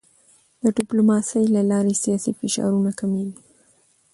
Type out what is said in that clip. د ډیپلوماسی له لارې سیاسي فشارونه کمېږي.